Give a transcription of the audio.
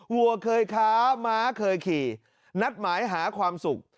วัวเคยค้าม้าเคยขี่นัดหมายหาความสุข